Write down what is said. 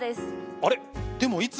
あれ？